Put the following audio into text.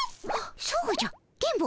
そうじゃ電ボ。